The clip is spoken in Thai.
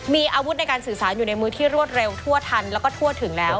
มีอาวุธในการสื่อสารอยู่ในมือที่รวดเร็วทั่วทันแล้วก็ทั่วถึงแล้ว